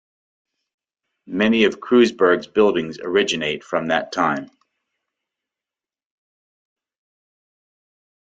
Many of Kreuzberg's buildings originate from that time.